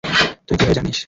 তুই কীভাবে জানিস?